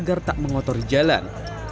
untuk mengotori jalan